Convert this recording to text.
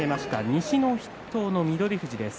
西の筆頭の翠富士です。